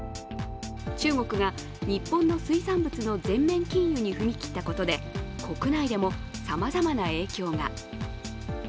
中国が日本の水産物の全面禁輸に踏み切ったことで、国内でもさまざまな影響が。